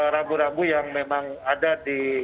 rabu rabu yang memang ada di